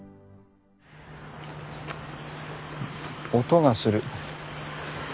音がする。